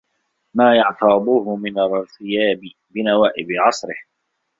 مَا يَعْتَاضُهُ مِنْ الِارْتِيَاضِ بِنَوَائِبِ عَصْرِهِ